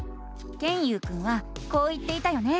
ケンユウくんはこう言っていたよね。